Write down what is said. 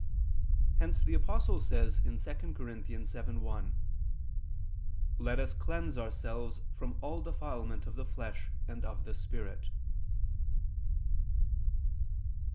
Hence the Apostle says (2 Cor. 7:1): "Let us cleanse ourselves from all defilement of the flesh and of the spirit."